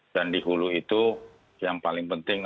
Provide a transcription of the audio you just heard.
dan dihulu itu yang paling penting